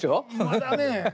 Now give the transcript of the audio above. まだね。